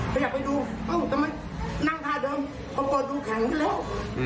เขาอยากไปดูเอ้าทำไมนั่งพาเดินอ่ะโบดดูแข็งไปเร็ว